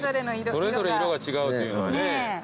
それぞれ色が違うというのがね。